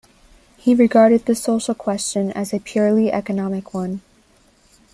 He regarded the social question as a purely economic one.